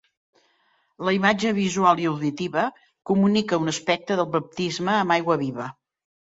La imatge visual i auditiva comunica un aspecte del baptisme amb "aigua viva".